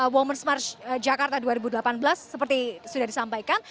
women's march jakarta dua ribu delapan belas seperti sudah disampaikan